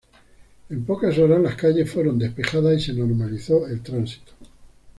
En pocas horas, las calles fueron despejadas y se normalizó el tránsito.